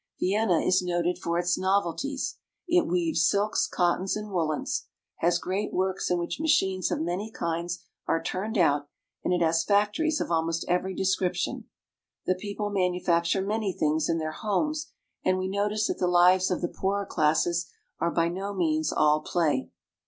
Vienna is noted for its novelties. It weaves silks, cottons, and woolens ; has great works in which machines of many kinds are turned out, and it has factories of almost every description. The people manufacture many things in their homes, and we notice that the lives of the poorer classes are by no means all play.